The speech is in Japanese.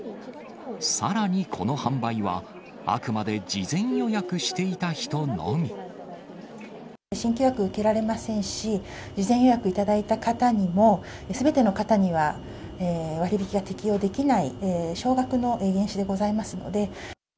さらにこの販売は、新規予約受けられませんし、事前予約いただいた方にも、すべての方には割引が適用できない、少額の原資でございますので。